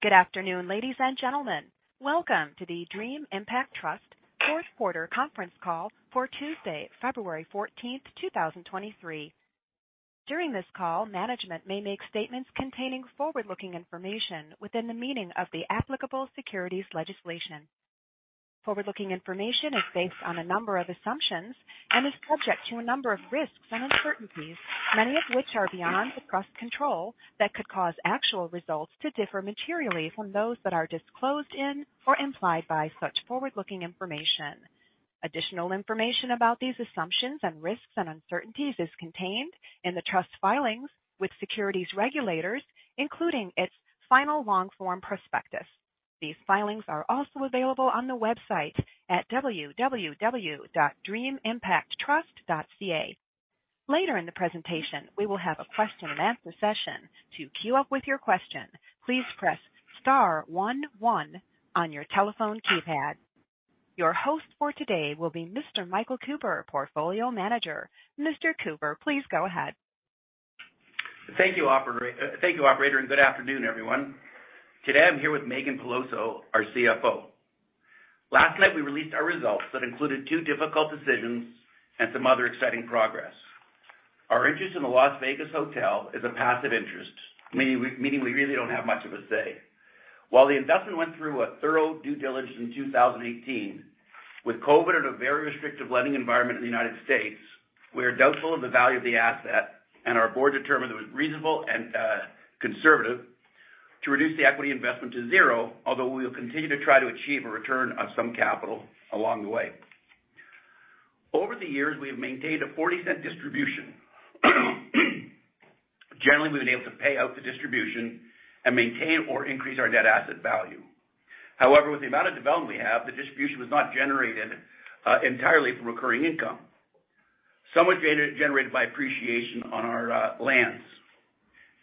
Good afternoon, ladies and gentlemen. Welcome to the Dream Impact Trust fourth quarter conference call for Tuesday, February 14th, 2023. During this call, management may make statements containing forward-looking information within the meaning of the applicable securities legislation. Forward-looking information is based on a number of assumptions and is subject to a number of risks and uncertainties, many of which are beyond the Trust's control that could cause actual results to differ materially from those that are disclosed in or implied by such forward-looking information. Additional information about these assumptions and risks and uncertainties is contained in the Trust filings with securities regulators, including its final long form prospectus. These filings are also available on the website at www.dreamimpacttrust.ca. Later in the presentation, we will have a question and answer session. To queue up with your question, please press star one one on your telephone keypad. Your host for today will be Mr. Michael Cooper, Portfolio Manager. Mr. Cooper, please go ahead. Thank you, operator, and good afternoon, everyone. Today I'm here with Meaghan Peloso, our CFO. Last night, we released our results. That included two difficult decisions and some other exciting progress. Our interest in the Las Vegas hotel is a passive interest, meaning we really don't have much of a say. While the investment went through a thorough due diligence in 2018, with COVID at a very restrictive lending environment in the United States, we are doubtful of the value of the asset, and our board determined it was reasonable and conservative to reduce the equity investment to zero. Although we will continue to try to achieve a return of some capital along the way. Over the years, we have maintained a 0.40 distribution. Generally, we've been able to pay out the distribution and maintain or increase our net asset value. However, with the amount of development we have, the distribution was not generated entirely from recurring income. Some was generated by appreciation on our lands.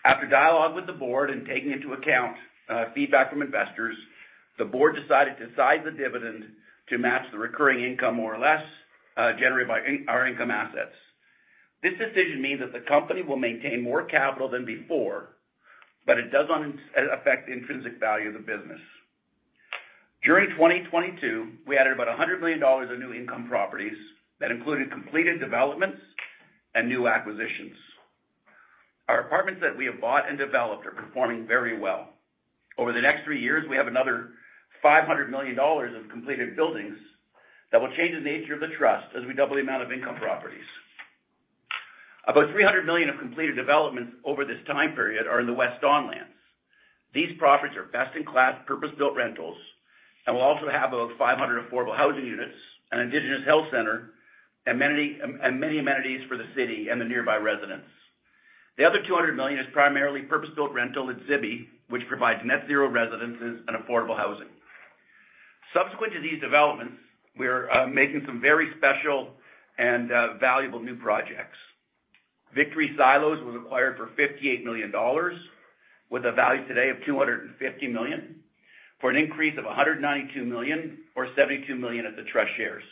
After dialogue with the board and taking into account feedback from investors, the board decided to side the dividend to match the recurring income more or less generated by our income assets. This decision means that the company will maintain more capital than before, but it does not affect the intrinsic value of the business. During 2022, we added about 100 million dollars of new income properties that included completed developments and new acquisitions. Our apartments that we have bought and developed are performing very well. Over the next three years, we have another 500 million dollars of completed buildings that will change the nature of the trust as we double the amount of income properties. About 300 million of completed developments over this time period are in the West Don Lands. These properties are best-in-class, purpose-built rentals and will also have about 500 affordable housing units, an indigenous health center, and many amenities for the city and the nearby residents. The other 200 million is primarily purpose-built rental at Zibi, which provides net zero residences and affordable housing. Subsequent to these developments, we're making some very special and valuable new projects. Victory Silos was acquired for 58 million dollars with a value today of 250 million, for an increase of 192 million or 72 million at the Trust shares.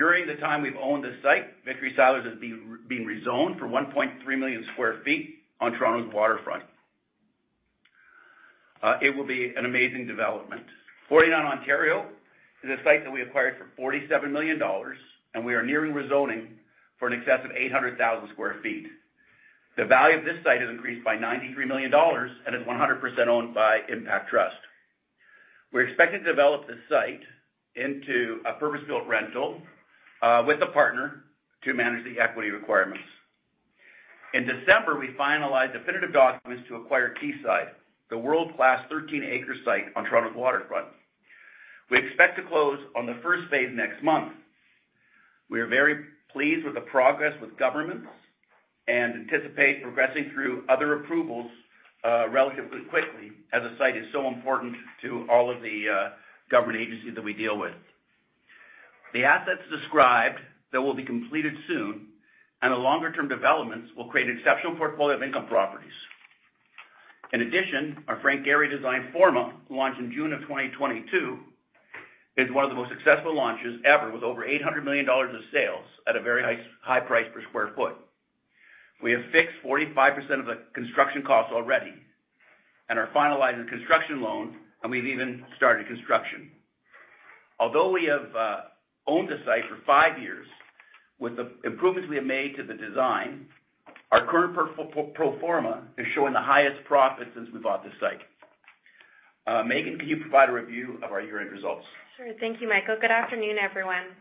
During the time we've owned this site, Victory Silos has been being rezoned for 1.3 million sq ft on Toronto's waterfront. It will be an amazing development. 49 Ontario is a site that we acquired for 47 million dollars, We are nearing rezoning for an excess of 800,000 sq ft. The value of this site has increased by 93 million dollars and is 100% owned by Impact Trust. We're expected to develop this site into a purpose-built rental with a partner to manage the equity requirements. In December, we finalized definitive documents to acquire Quayside, the world-class 13-acre site on Toronto's waterfront. We expect to close on the first phase next month. We are very pleased with the progress with governments and anticipate progressing through other approvals relatively quickly as a site is so important to all of the government agencies that we deal with. The assets described that will be completed soon and the longer-term developments will create an exceptional portfolio of income properties. Our Frank Gehry design Forma, launched in June of 2022, is one of the most successful launches ever with over 800 million dollars of sales at a very high price per square foot. We have fixed 45% of the construction costs already and are finalizing construction loans, and we've even started construction. Although we have owned the site for five years, with the improvements we have made to the design, our current pro-forma is showing the highest profit since we bought this site. Meaghan, can you provide a review of our year-end results? Sure. Thank you, Michael. Good afternoon, everyone.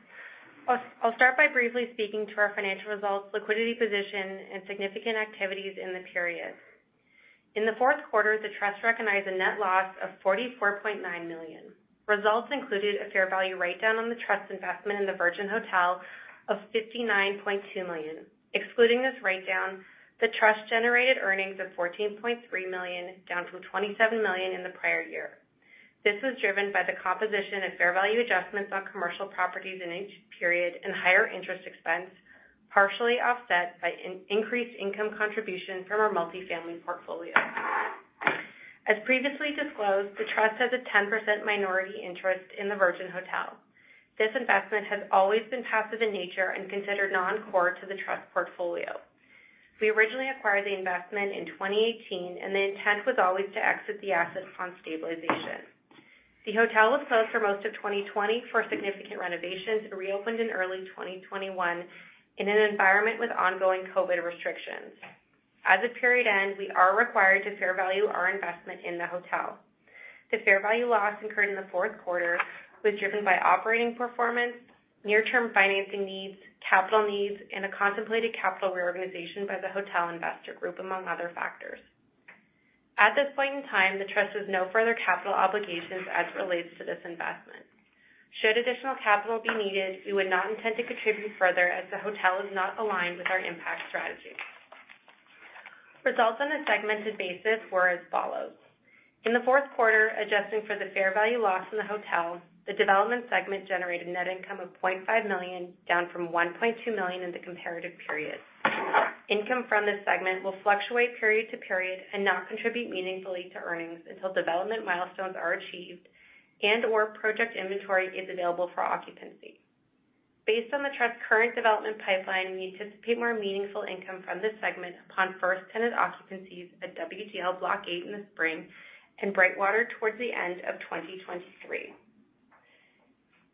I'll start by briefly speaking to our financial results, liquidity position, and significant activities in the period. In the fourth quarter, the Trust recognized a net loss of 44.9 million. Results included a fair value write-down on the Trust investment in the Virgin Hotel of 59.2 million. Excluding this write-down, the Trust generated earnings of 14.3 million, down from 27 million in the prior year. This was driven by the composition of fair value adjustments on commercial properties in each period and higher interest expense, partially offset by increased income contribution from our multifamily portfolio. As previously disclosed, the Trust has a 10% minority interest in the Virgin Hotel. This investment has always been passive in nature and considered non-core to the trust portfolio. We originally acquired the investment in 2018. The intent was always to exit the asset upon stabilization. The hotel was closed for most of 2020 for significant renovations. Reopened in early 2021 in an environment with ongoing COVID restrictions. As of period end, we are required to fair value our investment in the hotel. The fair value loss incurred in the fourth quarter was driven by operating performance, near-term financing needs, capital needs, and a contemplated capital reorganization by the hotel investor group, among other factors. At this point in time, the trust has no further capital obligations as it relates to this investment. Should additional capital be needed, we would not intend to contribute further as the hotel is not aligned with our impact strategy. Results on a segmented basis were as follows. In the fourth quarter, adjusting for the fair value loss in the hotel, the development segment generated net income of 0.5 million, down from 1.2 million in the comparative period. Income from this segment will fluctuate period to period and not contribute meaningfully to earnings until development milestones are achieved and, or project inventory is available for occupancy. Based on the Trust's current development pipeline, we anticipate more meaningful income from this segment upon first tenant occupancies at WDL Block 8 in the spring and Brightwater towards the end of 2023.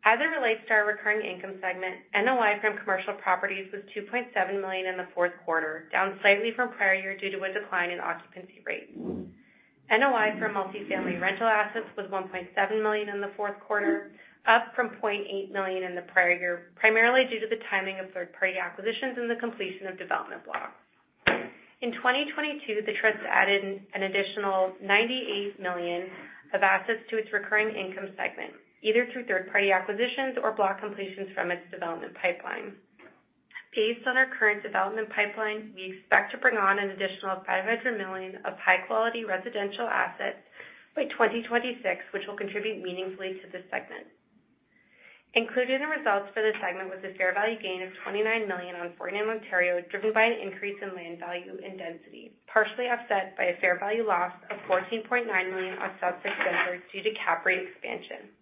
As it relates to our recurring income segment, NOI from commercial properties was 2.7 million in the fourth quarter, down slightly from prior year due to a decline in occupancy rates. NOI for multifamily rental assets was 1.7 million in the fourth quarter, up from 0.8 million in the prior year, primarily due to the timing of third-party acquisitions and the completion of development blocks. In 2022, the Trust added an additional 98 million of assets to its recurring income segment, either through third-party acquisitions or block completions from its development pipeline. Based on our current development pipeline, we expect to bring on an additional 500 million of high-quality residential assets by 2026, which will contribute meaningfully to this segment. Included in the results for the segment was a fair value gain of 29 million on 49 Ontario, driven by an increase in land value and density, partially offset by a fair value loss of 14.9 million on Sodexo Denver due to cap rate expansion.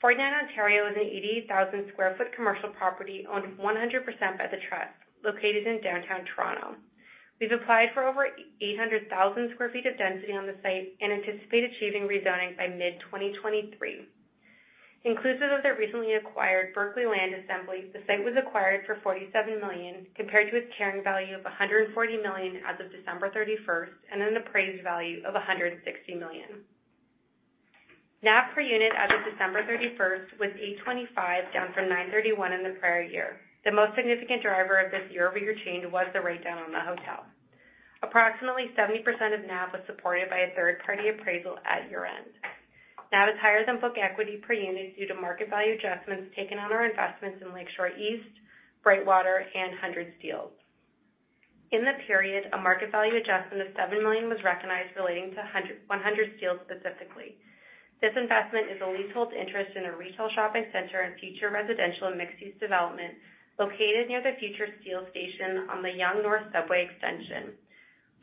49 Ontario is an 88,000 sq ft commercial property owned 100% by the Trust, located in downtown Toronto. We've applied for over 800,000 sq ft of density on the site and anticipate achieving rezoning by mid-2023. Inclusive of the recently acquired Berkeley land assembly, the site was acquired for 47 million, compared to its carrying value of 140 million as of December 31st, and an appraised value of 160 million. NAV per unit as of December 31st was 8.25, down from 9.31 in the prior year. The most significant driver of this year-over-year change was the write-down on the hotel. Approximately 70% of NAV was supported by a third-party appraisal at year-end. NAV is higher than book equity per unit due to market value adjustments taken on our investments in Lakeshore East, Brightwater, and One Hundred Steeles. In the period, a market value adjustment of $7 million was recognized relating to One Hundred Steeles specifically. This investment is a leasehold interest in a retail shopping center and future residential and mixed-use development located near the future Steeles station on the Yonge North Subway extension.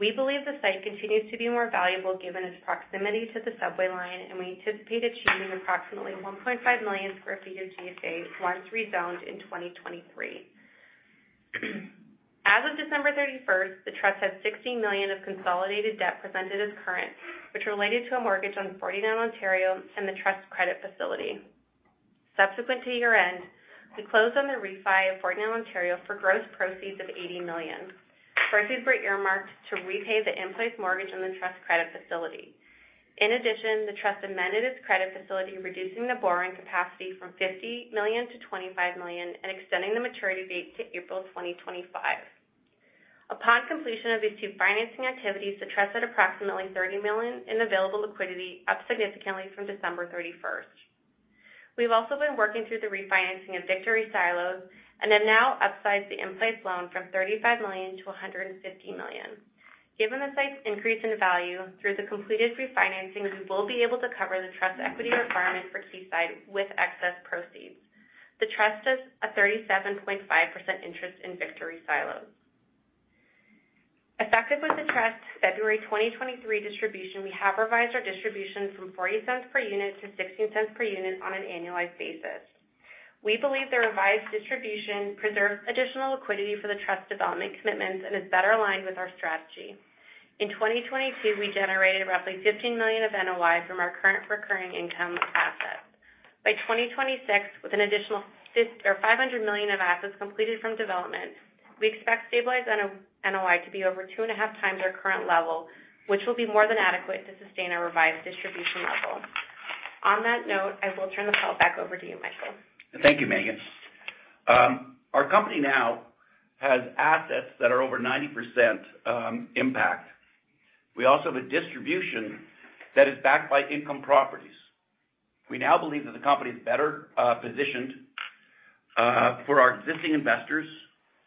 We believe the site continues to be more valuable given its proximity to the subway line, and we anticipate achieving approximately 1.5 million sq ft of GFA once rezoned in 2023. As of December 31st, the Trust had $60 million of consolidated debt presented as current, which related to a mortgage on 49 Ontario and the Trust's credit facility. Subsequent to year-end, we closed on the refi of 49 Ontario for gross proceeds of 80 million. Proceeds were earmarked to repay the in-place mortgage on the Trust's credit facility. The Trust amended its credit facility, reducing the borrowing capacity from 50 million-25 million and extending the maturity date to April 2025. Upon completion of these two financing activities, the Trust had approximately 30 million in available liquidity, up significantly from December 31st. We've also been working through the refinancing of Victory Silos and have now upsized the in-place loan from 35 million-150 million. Given the site's increase in value, through the completed refinancing, we will be able to cover the Trust's equity requirement for Quayside with excess proceeds. The Trust has a 37.5% interest in Victory Silos. Effective with the Trust's February 2023 distribution, we have revised our distribution from 0.40 per unit to 0.16 per unit on an annualized basis. We believe the revised distribution preserves additional liquidity for the Trust's development commitments and is better aligned with our strategy. In 2022, we generated roughly 15 million of NOI from our current recurring income assets. By 2026, with an additional 500 million of assets completed from development, we expect stabilized NOI to be over 2.5x our current level, which will be more than adequate to sustain our revised distribution level. On that note, I will turn the call back over to you, Michael. Thank you, Meaghan. Our company now has assets that are over 90% impact. We also have a distribution that is backed by income properties. We now believe that the company is better positioned for our existing investors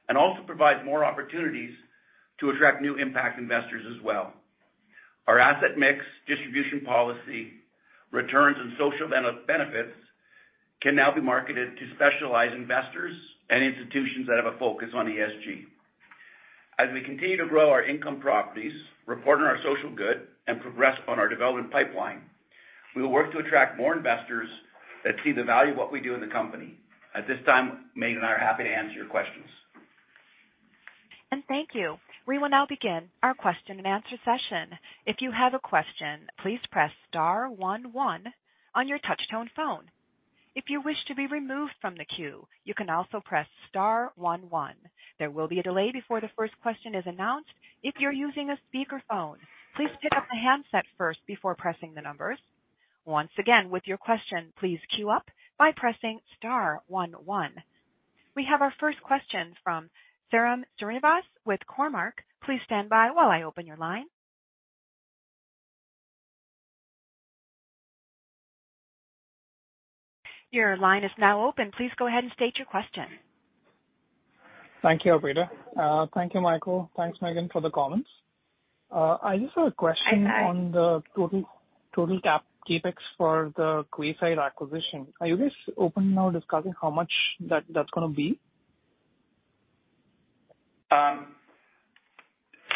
and also provides more opportunities to attract new impact investors as well. Our asset mix, distribution policy, returns and social benefits can now be marketed to specialized investors and institutions that have a focus on ESG. As we continue to grow our income properties, report on our social good, and progress on our development pipeline, we will work to attract more investors that see the value of what we do in the company. At this time, Meaghan and I are happy to answer your questions. Thank you. We will now begin our question-and-answer session. If you have a question, please press star one one on your touchtone phone. If you wish to be removed from the queue, you can also press star one one. There will be a delay before the first question is announced. If you're using a speakerphone, please pick up the handset first before pressing the numbers. Once again, with your question, please queue up by pressing star one one. We have our first question from Sairam Srinivas with Cormark. Please stand by while I open your line. Your line is now open. Please go ahead and state your question. Thank you, Operator. Thank you, Michael. Thanks, Meaghan, for the comments. I just have a question. Hi, Sairam. on the total CapEx for the Quayside acquisition. Are you guys open now discussing how much that's gonna be?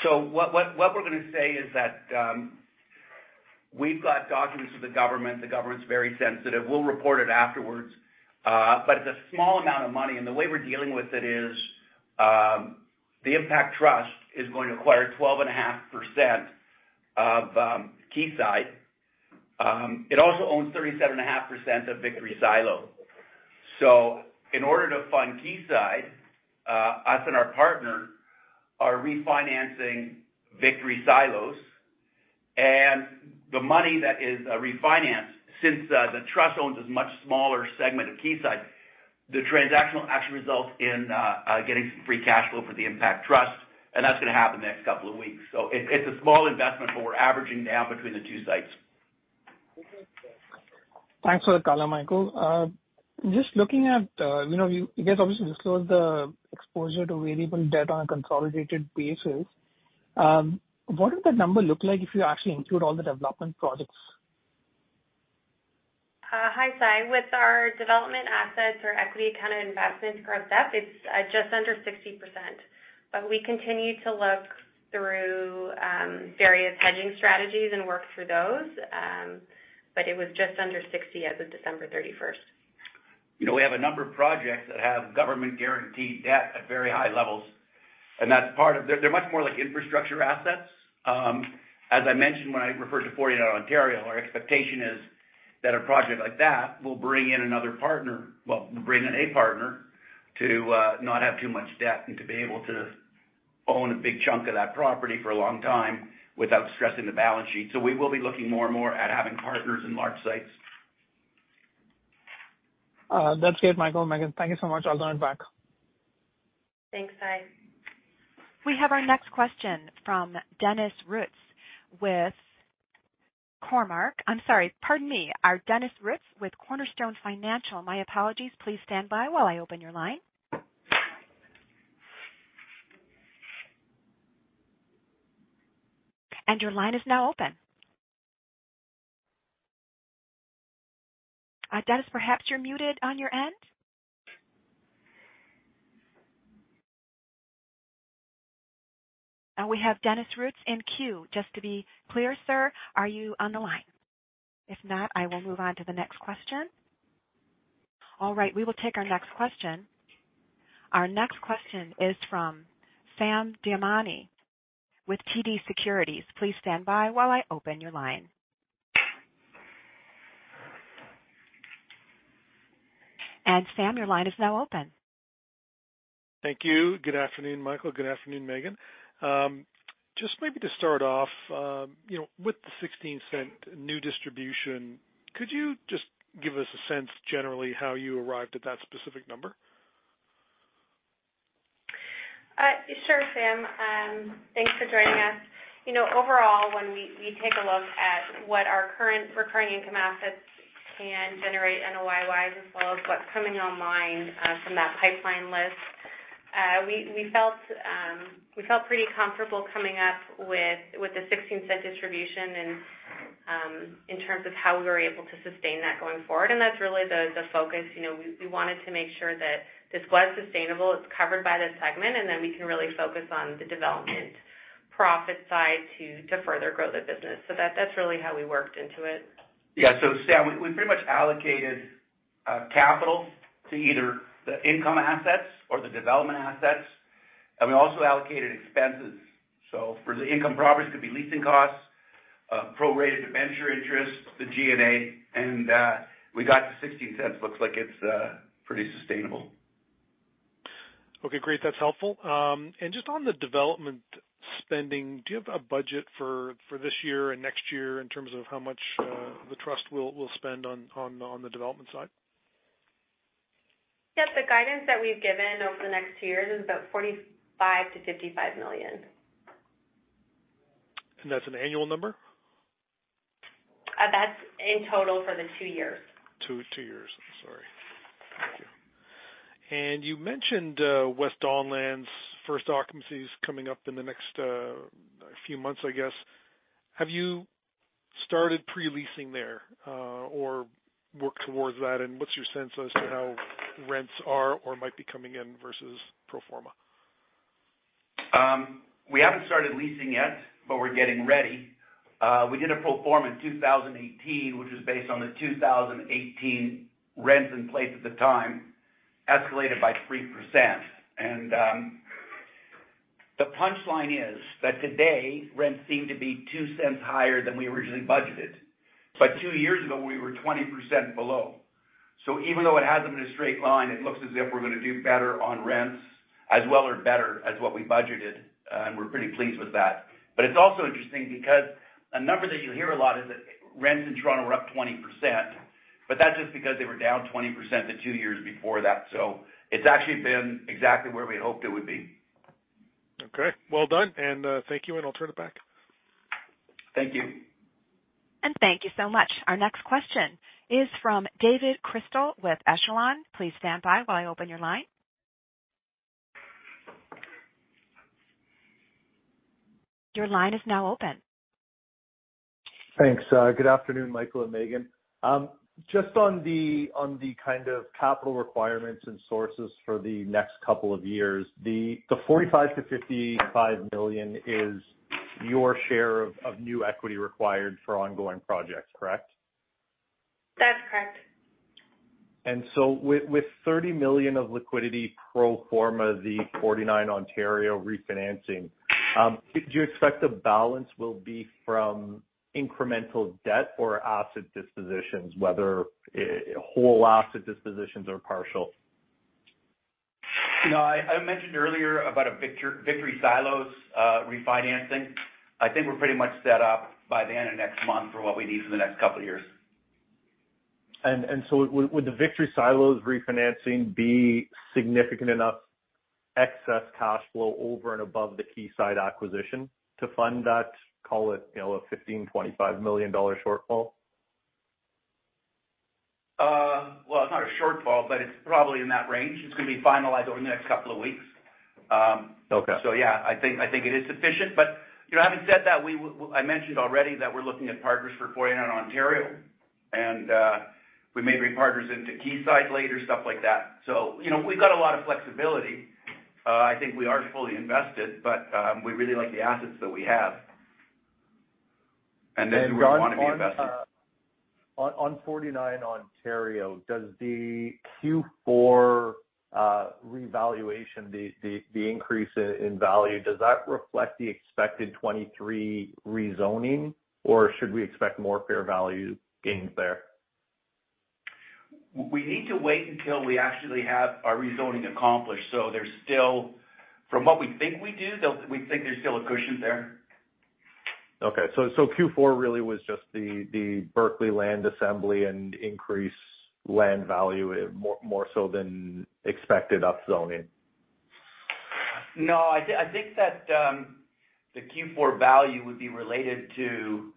What we're gonna say is that we've got documents from the government. The government's very sensitive. We'll report it afterwards. It's a small amount of money, and the way we're dealing with it is Dream Impact Trust is going to acquire 12.5% of Quayside. It also owns 37.5% of Victory Silos. In order to fund Quayside, us and our partner are refinancing Victory Silos. The money that is refinanced, since the trust owns this much smaller segment of Quayside, the transactional actually results in getting some free cash flow for Dream Impact Trust, and that's gonna happen the next couple of weeks. It's a small investment, but we're averaging now between the two sites. Thanks for the color, Michael. Just looking at, you know, you guys obviously disclosed the exposure to variable debt on a consolidated basis. What does the number look like if you actually include all the development projects? Hi, Sai. With our development assets or equity kind of investments, current debt, it's just under 60%. We continue to look through various hedging strategies and work through those. It was just under 60% as of December 31st. You know, we have a number of projects that have government-guaranteed debt at very high levels, and that's part of. They're much more like infrastructure assets. As I mentioned when I referred to 49 Ontario, our expectation is that a project like that will bring in another partner. Well, bring in a partner to not have too much debt and to be able to own a big chunk of that property for a long time without stressing the balance sheet. We will be looking more and more at having partners in large sites. That's good, Michael. Meaghan, thank you so much. I'll join back. Thanks, Sai. We have our next question from Denis Rutz with Cormark Securities. I'm sorry. Pardon me. Denis Rutz with Cornerstone Financial. My apologies. Please stand by while I open your line. Your line is now open. Denis, perhaps you're muted on your end. We have Denis Rutz in queue. Just to be clear, sir, are you on the line? If not, I will move on to the next question. All right. We will take our next question. Our next question is from Sam Damiani with TD Securities. Please stand by while I open your line. Sam, your line is now open. Thank you. Good afternoon, Michael. Good afternoon, Meaghan. Just maybe to start off, you know, with the 0.16 new distribution, could you just give us a sense generally how you arrived at that specific number? Sure, Sam. Thanks for joining us. You know, overall, when we take a look at what our current recurring income assets can generate NOI-wise as well as what's coming online, from that pipeline list, we felt pretty comfortable coming up with the $0.16 distribution and in terms of how we were able to sustain that going forward. That's really the focus. You know, we wanted to make sure that this was sustainable, it's covered by the segment, and then we can really focus on the development profit side to further grow the business. That's really how we worked into it. Yeah. Sam, we pretty much allocated capital to either the income assets or the development assets. We also allocated expenses. For the income properties, it could be leasing costs, prorated venture interest, the G&A. We got to 0.16. Looks like it's pretty sustainable. Okay, great. That's helpful. Just on the development spending, do you have a budget for this year and next year in terms of how much the trust will spend on the development side? Yes, the guidance that we've given over the next two years is about 45 million-55 million. That's an annual number? That's in total for the two years. Two years. I'm sorry. Thank you. You mentioned West Don Lands first occupancy is coming up in the next few months, I guess. Have you started pre-leasing there or worked towards that? What's your sense as to how rents are or might be coming in versus pro forma? We haven't started leasing yet, but we're getting ready. We did a pro forma in 2018, which was based on the 2018 rents in place at the time, escalated by 3%. The punchline is that today rents seem to be 0.02 higher than we originally budgeted. Two years ago, we were 20% below. Even though it hasn't been a straight line, it looks as if we're gonna do better on rents as well or better as what we budgeted, and we're pretty pleased with that. It's also interesting because a number that you hear a lot is that rents in Toronto are up 20%, that's just because they were down 20% the two years before that. It's actually been exactly where we hoped it would be. Okay, well done. Thank you. I'll turn it back. Thank you. Thank you so much. Our next question is from David Chrystal with Echelon. Please stand by while I open your line. Your line is now open. Thanks. Good afternoon, Michael and Megan. Just on the kind of capital requirements and sources for the next couple of years, the 45 million-55 million is your share of new equity required for ongoing projects, correct? That's correct. With 30 million of liquidity pro forma, the 49 Ontario refinancing, did you expect the balance will be from incremental debt or asset dispositions, whether whole asset dispositions or partial? No, I mentioned earlier about a Victory Silos refinancing. I think we're pretty much set up by the end of next month for what we need for the next couple of years. Would the Victory Silos refinancing be significant enough excess cash flow over and above the Quayside acquisition to fund that, call it, you know, a 15 million-25 million dollar shortfall? well, it's not a shortfall, but it's probably in that range. It's gonna be finalized over the next couple of weeks. Okay. Yeah, I think it is sufficient, but, you know, having said that, I mentioned already that we're looking at partners for 49 Ontario, and we may bring partners into Quayside later, stuff like that. You know, we've got a lot of flexibility. I think we are fully invested, but we really like the assets that we have. And then- We wanna be invested. On 49 Ontario, does the Q4 revaluation, the increase in value, does that reflect the expected 23 rezoning, or should we expect more fair value gains there? We need to wait until we actually have our rezoning accomplished. From what we think we do, we think there's still a cushion there. Q4 really was just the Berkeley land assembly and increased land value more so than expected upzoning. No, I think that, the Q4 value would be related to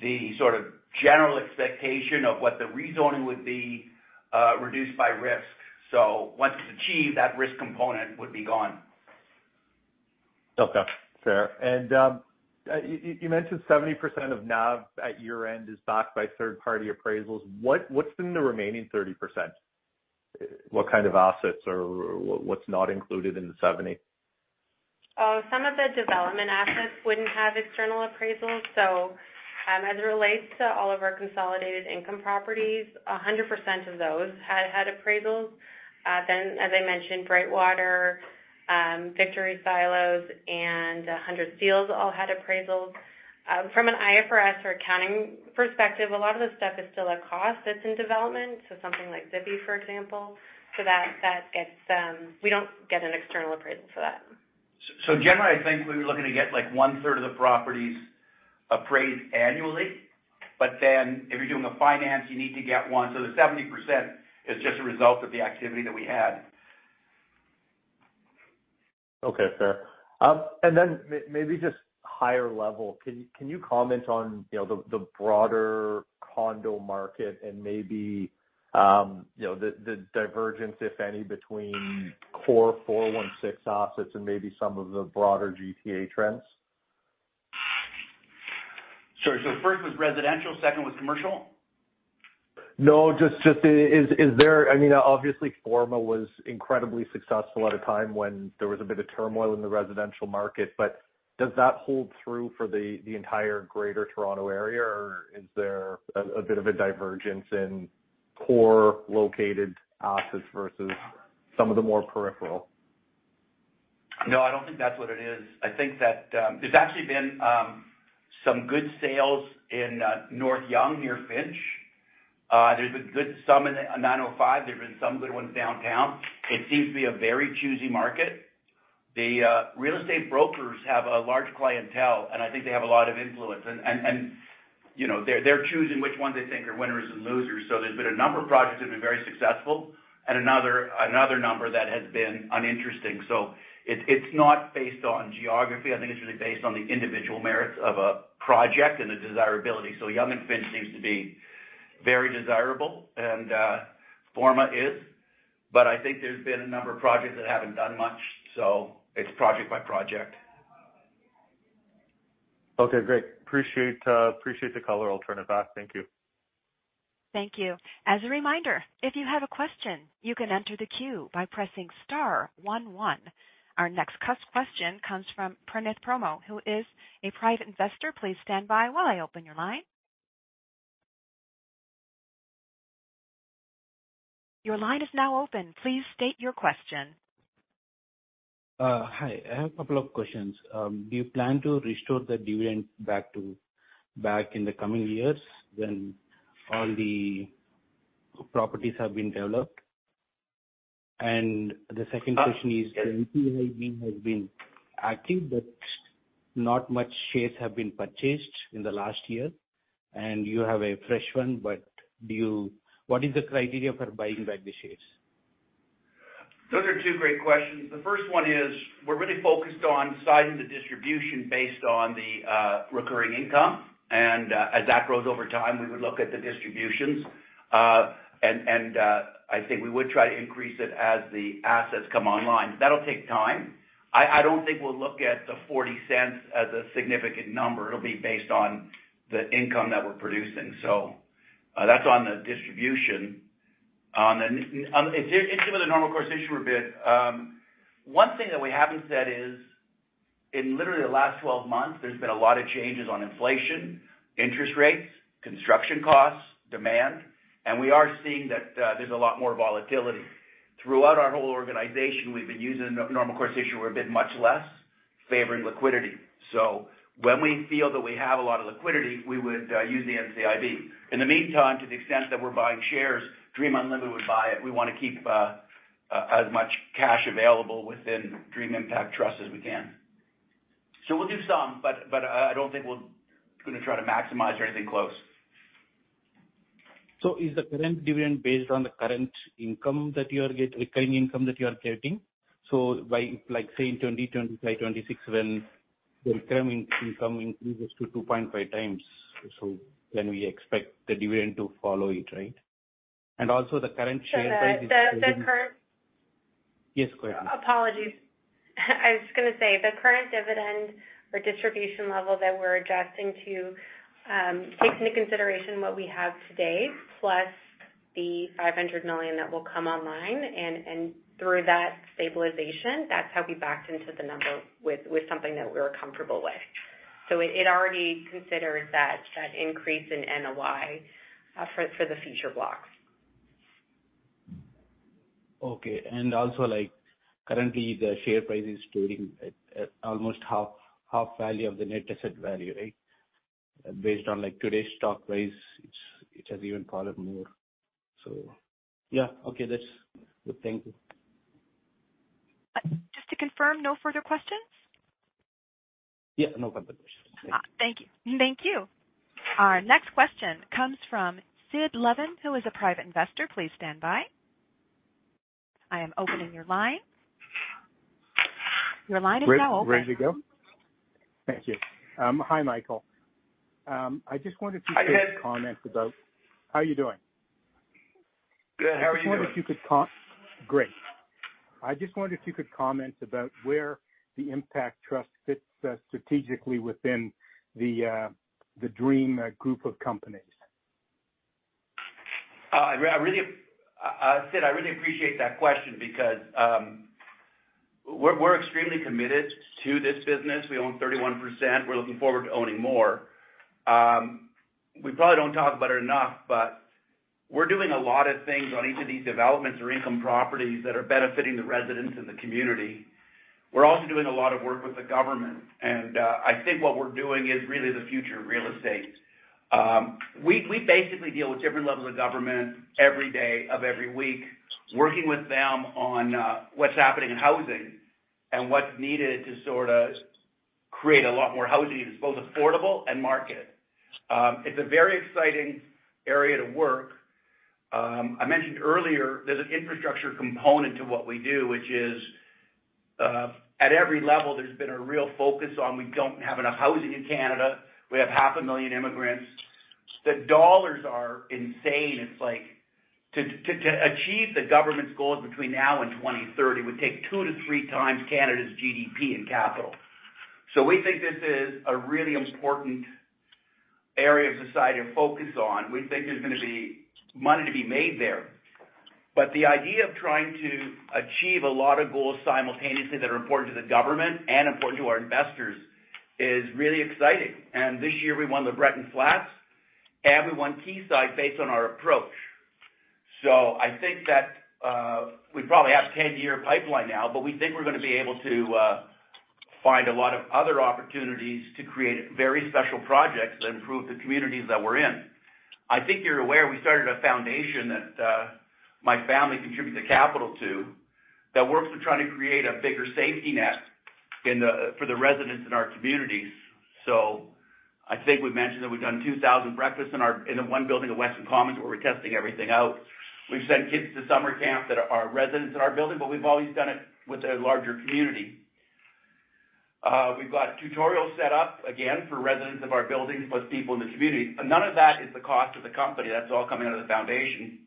the sort of general expectation of what the rezoning would be, reduced by risk. Once it's achieved, that risk component would be gone. Okay, fair. You mentioned 70% of NAV at year-end is backed by third-party appraisals. What's in the remaining 30%? What kind of assets or what's not included in the 70? Some of the development assets wouldn't have external appraisals. As it relates to all of our consolidated income properties, 100% of those had appraisals. As I mentioned, Brightwater, Victory Silos, and 100 Steeles all had appraisals. From an IFRS or accounting perspective, a lot of the stuff is still a cost that's in development, something like Zibi, for example. That gets. We don't get an external appraisal for that. Generally, I think we were looking to get, like, one-third of the properties appraised annually. If you're doing a finance, you need to get one. The 70% is just a result of the activity that we had. Okay, fair. Then maybe just higher level, can you comment on, you know, the broader condo market and maybe, you know, the divergence, if any, between core 416 assets and maybe some of the broader GTA trends? Sure. First was residential, second was commercial? No, is there, I mean, obviously, Forma was incredibly successful at a time when there was a bit of turmoil in the residential market. Does that hold through for the entire Greater Toronto Area, or is there a bit of a divergence in core located assets versus some of the more peripheral? No, I don't think that's what it is. I think that there's actually been some good sales in North Yonge near Finch. There's been some in the 905. There've been some good ones downtown. It seems to be a very choosy market. The real estate brokers have a large clientele, and I think they have a lot of influence. You know, they're choosing which ones they think are winners and losers. There's been a number of projects that have been very successful and another number that has been uninteresting. It's not based on geography. I think it's really based on the individual merits of a project and the desirability. Yonge and Finch seems to be very desirable, and, Forma is. I think there's been a number of projects that haven't done much, so it's project by project. Okay, great. Appreciate, appreciate the color. I'll turn it back. Thank you. Thank you. As a reminder, if you have a question, you can enter the queue by pressing star one. Our next question comes from Pranith Promo, who is a private investor. Please stand by while I open your line. Your line is now open. Please state your question. Hi, I have a couple of questions. Do you plan to restore the dividend back in the coming years when all the properties have been developed? The second question is, the NCIB has been active, but not much shares have been purchased in the last year. You have a fresh one, but what is the criteria for buying back the shares? Those are two great questions. The first one is, we're really focused on sizing the distribution based on the recurring income. As that grows over time, we would look at the distributions. I think we would try to increase it as the assets come online. That'll take time. I don't think we'll look at the 0.40 as a significant number. It'll be based on the income that we're producing. That's on the distribution. It's a bit of a normal course issuer bid. One thing that we haven't said is, in literally the last 12 months, there's been a lot of changes on inflation, interest rates, construction costs, demand, and we are seeing that there's a lot more volatility. Throughout our whole organization, we've been using normal course issuer bid much less, favoring liquidity. When we feel that we have a lot of liquidity, we would use the NCIB. In the meantime, to the extent that we're buying shares, Dream Unlimited would buy it. We wanna keep as much cash available within Dream Impact Trust as we can. We'll do some, but I don't think we're gonna try to maximize or anything close. Is the current dividend based on the current recurring income that you are creating? By, like, say, in 2025, 2026, when the recurring income increases to 2.5x, can we expect the dividend to follow it, right? Also the current share price. The current- Yes, go ahead. Apologies. I was gonna say, the current dividend or distribution level that we're adjusting to, takes into consideration what we have today, plus the 500 million that will come online. Through that stabilization, that's how we backed into the number with something that we're comfortable with. It already considers that increase in NOI for the future blocks. Okay. Also, like, currently the share price is trading at almost 1/2 value of the net asset value, right? Based on, like, today's stock price, it has even fallen more. Yeah. Okay, that's good. Thank you. Just to confirm, no further questions? Yeah, no further questions. Thank you. Thank you. Our next question comes from Sid Levin, who is a private investor. Please stand by. I am opening your line. Your line is now open. Ready to go. Thank you. Hi, Michael. I just wondered if you could comment. Hi, Sid. How are you doing? Good. How are you doing? I just wondered if you could. Great. I just wondered if you could comment about where the Impact Trust fits strategically within the Dream group of companies. Sid, I really appreciate that question because we're extremely committed to this business. We own 31%. We're looking forward to owning more. We probably don't talk about it enough, but we're doing a lot of things on each of these developments or income properties that are benefiting the residents and the community. We're also doing a lot of work with the government. I think what we're doing is really the future of real estate. We basically deal with different levels of government every day of every week, working with them on what's happening in housing and what's needed to sort of create a lot more housing that's both affordable and market. It's a very exciting area to work. I mentioned earlier there's an infrastructure component to what we do, which is, at every level there's been a real focus on we don't have enough housing in Canada. We have half a million immigrants. The dollars are insane. It's to achieve the government's goals between now and 2030 would take two to three times Canada's GDP in capital. We think this is a really important area of society to focus on. We think there's gonna be money to be made there. The idea of trying to achieve a lot of goals simultaneously that are important to the government and important to our investors is really exciting. This year we won the LeBreton Flats, and we won Quayside based on our approach. I think that, we probably have a 10-year pipeline now, but we think we're gonna be able to find a lot of other opportunities to create very special projects that improve the communities that we're in. I think you're aware we started a foundation that, my family contributes the capital to, that works with trying to create a bigger safety net for the residents in our communities. I think we've mentioned that we've done 2,000 breakfasts in the one building of Weston Commons, where we're testing everything out. We've sent kids to summer camp that are residents in our building, but we've always done it with a larger community. We've got tutorials set up again for residents of our buildings, plus people in the community. None of that is the cost of the company. That's all coming out of the foundation.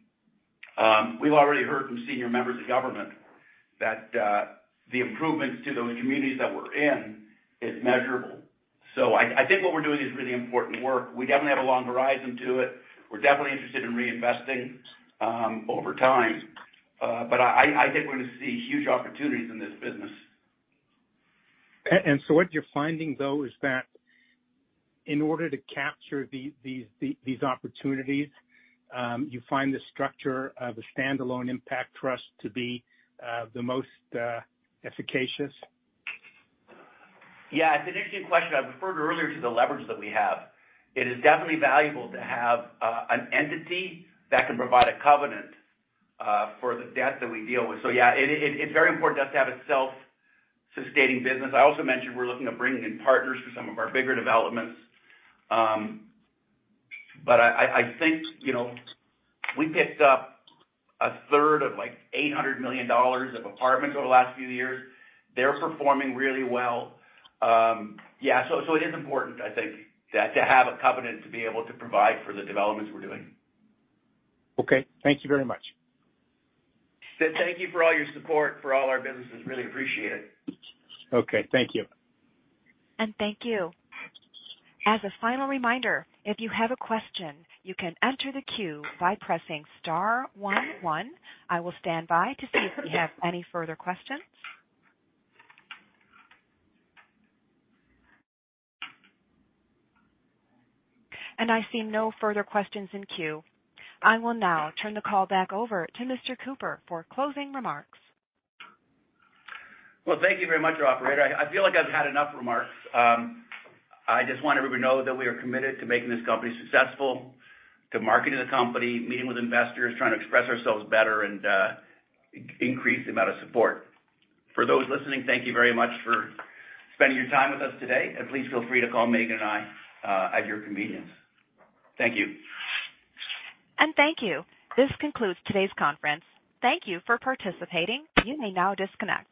We've already heard from senior members of government that, the improvements to the communities that we're in is measurable. I think what we're doing is really important work. We definitely have a long horizon to it. We're definitely interested in reinvesting, over time. I think we're gonna see huge opportunities in this business. What you're finding, though, is that in order to capture these opportunities, you find the structure of a standalone impact trust to be the most efficacious? Yeah, it's an interesting question. I referred earlier to the leverage that we have. It is definitely valuable to have an entity that can provide a covenant for the debt that we deal with. Yeah, it's very important just to have a self-sustaining business. I also mentioned we're looking at bringing in partners for some of our bigger developments. I think, you know, we picked up a third of, like, 800 million dollars of apartments over the last few years. They're performing really well. So it is important, I think, to have a covenant to be able to provide for the developments we're doing. Okay. Thank you very much. Sid, thank you for all your support for all our businesses. Really appreciate it. Okay. Thank you. Thank you. As a final reminder, if you have a question, you can enter the queue by pressing star 11. I will stand by to see if we have any further questions. I see no further questions in queue. I will now turn the call back over to Mr. Cooper for closing remarks. Well, thank you very much, operator. I feel like I've had enough remarks. I just want everybody to know that we are committed to making this company successful, to marketing the company, meeting with investors, trying to express ourselves better and increase the amount of support. For those listening, thank you very much for spending your time with us today. Please feel free to call Megan and I at your convenience. Thank you. Thank you. This concludes today's conference. Thank you for participating. You may now disconnect.